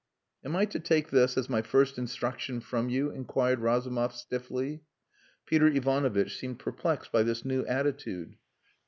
"Am I to take this as my first instruction from you?" inquired Razumov stiffly. Peter Ivanovitch seemed perplexed by this new attitude.